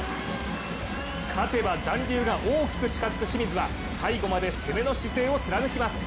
勝てば残留が大きく近づく清水は最後まで攻めの姿勢を貫きます。